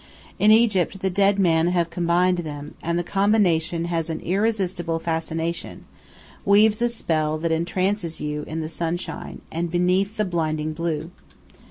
In Egypt the dead men have combined them, and the combination has an irresistible fascination, weaves a spell that entrances you in the sunshine and beneath the blinding blue.